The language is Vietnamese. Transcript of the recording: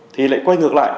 thì lại quay ngược lại